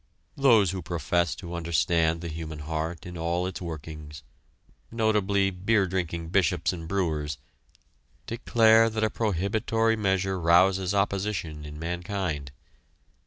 Those who profess to understand the human heart in all its workings, notably beer drinking bishops and brewers, declare that a prohibitory measure rouses opposition in mankind.